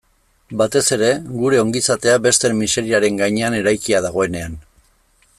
Batez ere, gure ongizatea besteen miseriaren gainean eraikia dagoenean.